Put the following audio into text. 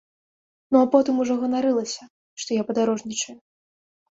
Ну а потым ужо ганарылася, што я падарожнічаю.